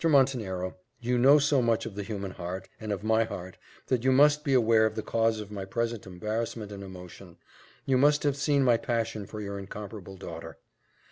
Montenero, you know so much of the human heart, and of my heart, that you must be aware of the cause of my present embarrassment and emotion. You must have seen my passion for your incomparable daughter."